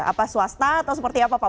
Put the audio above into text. apa swasta atau seperti apa pak